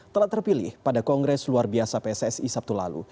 telah terpilih pada kongres luar biasa pssi sabtu lalu